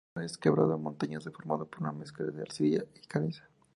El terreno es quebrado, montañoso, formado por una mezcla de arcilla y caliza.